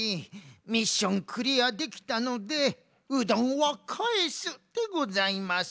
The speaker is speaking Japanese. ミッションクリアできたのでうどんをかえすでございます。